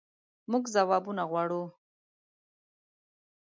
مونږ ځوابونه غواړو